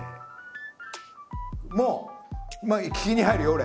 もう聞きに入るよ俺。